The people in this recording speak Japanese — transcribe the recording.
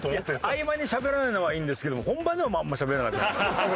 合間にしゃべらないのはいいんですけども本番でもあんまりしゃべれなくなった。